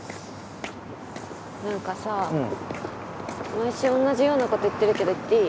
毎週同じようなこと言ってるけど言っていい？